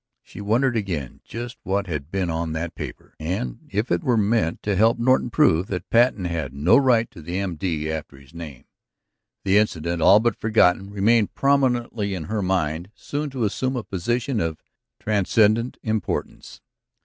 She wondered again just what had been on that paper, and if it were meant to help Norton prove that Patten had no right to the M.D. after his name? The incident, all but forgotten, remained prominently in her mind, soon to assume a position of transcendent importance.